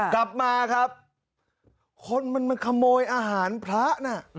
กลับมาครับคนมันมาขโมยอาหารพระน่ะ